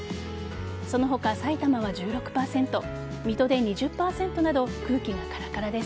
その他、さいたまは１６％水戸で２０％など空気がカラカラです。